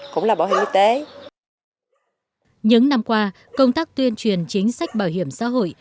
cũng là bảo hiểm y tế những năm qua công tác tuyên truyền chính sách bảo hiểm xã hội